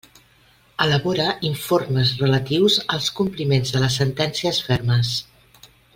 Elabora informes relatius als compliments de les sentències fermes.